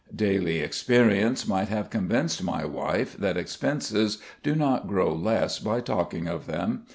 Daily experience might have convinced my wife that expenses do not grow less by talking of them.